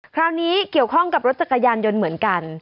คราวนี้เกี่ยวข้องกับรถจักรยานยนต์เหมือนกัน